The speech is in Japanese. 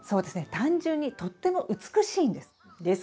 単純にとっても美しいんです。